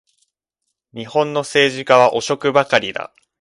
日本の政治家は汚職ばかりだ